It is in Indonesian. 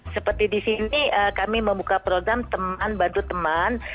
seperti di sini kami membuka program teman bantu teman